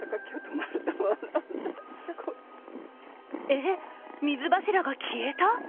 えっ、水柱が消えた？